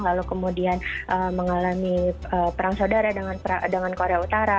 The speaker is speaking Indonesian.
lalu kemudian mengalami perang saudara dengan korea utara